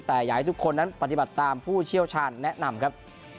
แต่อยากให้ทุกคนนั้นปฏิบัติตามผู้เชี่ยวชาญแนะนำครับ